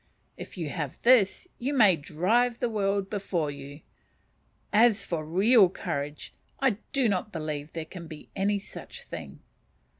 If you have this, you may drive the world before you. As for real courage, I do not believe there can be any such thing.